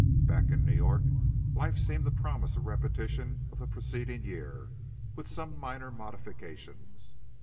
Back in New York, life seemed to promise a repetition of the preceding year, with some minor modifications.